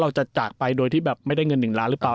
แล้วจะจากไปโดยที่แบบไม่ได้เงิน๑ล้านบาทรึเปล่า